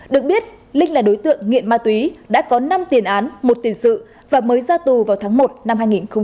được biết linh là đối tượng nghiện ma túy đã có năm tiền án một tiền sự và mới ra tù vào tháng một năm hai nghìn hai mươi